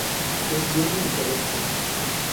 Es diurna y terrestre.